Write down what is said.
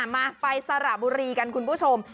มาไปสระบุรีกันคุณผู้ชม